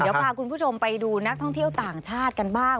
เดี๋ยวพาคุณผู้ชมไปดูนักท่องเที่ยวต่างชาติกันบ้าง